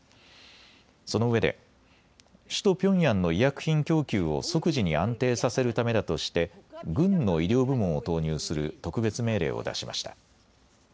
そのうえで首都ピョンヤンの医薬品供給を即時に安定させるためだとして軍の医療部門を投入する特別命令を出しました。